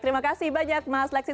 terima kasih banyak mas lexi